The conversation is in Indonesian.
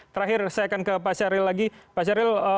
terakhir saya akan ke pak syahril lagi pak syahril